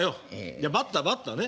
いやバッターバッターね。